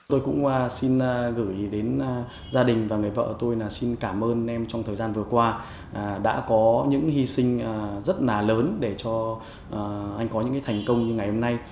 tôi cũng xin gửi đến gia đình và người vợ tôi xin cảm ơn trong thời gian vừa qua đã có những hy sinh rất là lớn để cho anh có những thành công như ngày hôm nay